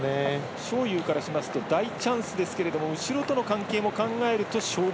章勇からしますと大チャンスですが後ろとの関係を考えると勝負